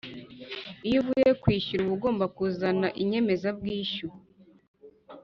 iyo uvuye kwishyura uba ugomba kuzana inyemeza bwishyu